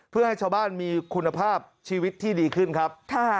เพื่อให้ชาวบ้านมีคุณภาพชีวิตที่ดีขึ้นครับ